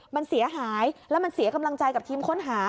มันเสียหายแล้วมันเสียกำลังใจกับทีมค้นหา